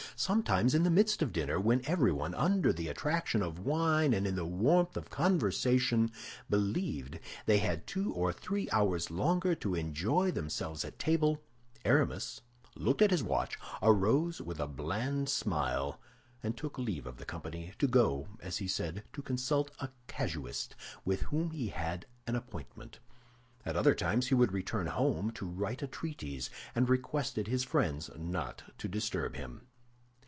Sometimes in the midst of dinner, when everyone, under the attraction of wine and in the warmth of conversation, believed they had two or three hours longer to enjoy themselves at table, Aramis looked at his watch, arose with a bland smile, and took leave of the company, to go, as he said, to consult a casuist with whom he had an appointment. At other times he would return home to write a treatise, and requested his friends not to disturb him.